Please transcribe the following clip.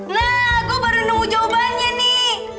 nah gue baru nunggu jawabannya nih